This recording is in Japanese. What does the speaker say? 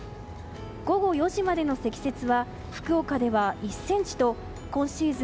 午後４時までの積雪は福岡では１ｃｍと今シーズン